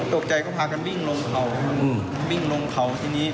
ตกใจก็พากันวิ่งลงเขาครับวิ่งลงเขาทีนี้